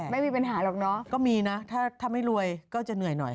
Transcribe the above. ไม่มีปัญหาหรอกเนอะก็มีนะถ้าไม่รวยก็จะเหนื่อยหน่อย